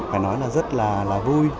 mình nói là rất là vui